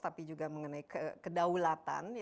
tapi juga mengenai kedaulatan